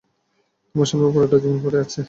তোমার সামনে পুরোটা জীবন পড়ে আছে।